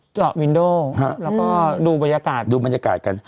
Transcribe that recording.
เจาะวินโดแล้วก็ดูบรรยากาศดูบรรยากาศกัน